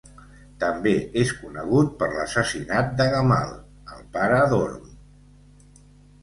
També es conegut per l"assassinat de Gamal, el pare d"Orm.